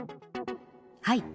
はい。